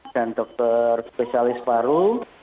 dan dokter spesialis paru